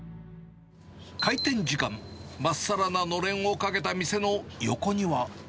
開店時間、まっさらなのれんをかけた店の横には。